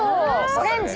オレンジ？